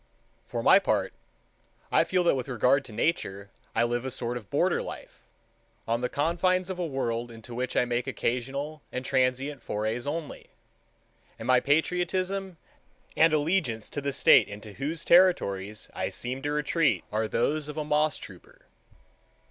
For my part, I feel that with regard to Nature I live a sort of border life, on the confines of a world into which I make occasional and transient forays only, and my patriotism and allegiance to the state into whose territories I seem to retreat are those of a moss trooper.